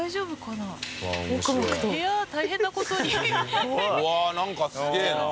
なんかすげえな。